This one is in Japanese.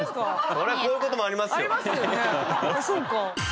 そりゃこういうこともありますよ。ありますよね。